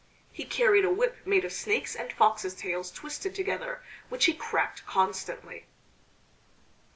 He carried a whip made of snakes and foxes' tails twisted together, which he cracked constantly.